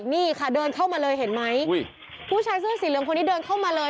นี่ค่ะเดินเข้ามาเลยเห็นไหมผู้ชายเสื้อสีเหลืองคนนี้เดินเข้ามาเลย